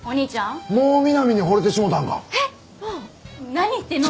何言ってんの？